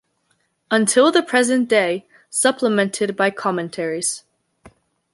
Until the Present Day, Supplemented by Commentaries.